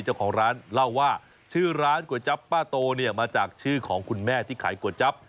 เจ้าของร้านเล่าว่าชื่อร้านก๋วยจับป้าโตเนี่ยมาจากชื่อของคุณแม่ที่ขายก๋วยจั๊บ